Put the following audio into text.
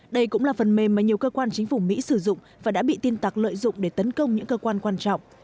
đây cũng là phần mềm mà nhiều cơ quan chính phủ mỹ sử dụng và đã bị tin tạc lợi dụng để tấn công những cơ quan quan trọng